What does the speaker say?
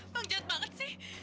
bang jahat banget sih